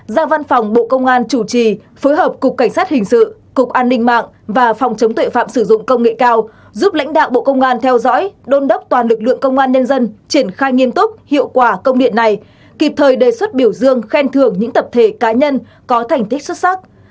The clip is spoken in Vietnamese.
bốn giang văn phòng bộ công an chủ trì phối hợp cục cảnh sát hình sự cục an ninh mạng và phòng chống tội phạm sử dụng công nghệ cao giúp lãnh đạo bộ công an theo dõi đôn đốc toàn lực lượng công an nhân dân triển khai nghiêm túc hiệu quả công điện này kịp thời đề xuất biểu dương khen thường những tập thể cá nhân có thành tích xuất sắc thường xuyên tổng hợp tình hình báo cáo lãnh đạo bộ công an để chỉ đạo